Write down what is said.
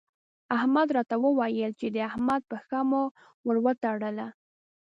احمد راته وويل چې د احمد پښه مو ور وتړله.